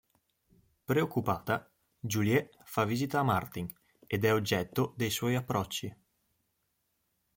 Preoccupata, Julie fa visita a Martin, ed è oggetto dei suoi approcci.